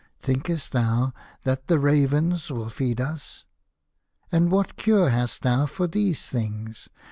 Thinkest thou that the ravens will feed us ? And what cure hast thou for these things